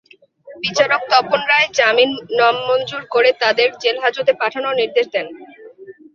বিচারক তপন রায় জামিন নামঞ্জুর করে তাঁদের জেলহাজতে পাঠানোর নির্দেশ দেন।